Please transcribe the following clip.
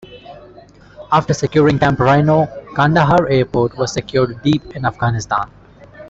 After securing Camp Rhino, Kandahar Airport was secured deep in Afghanistan.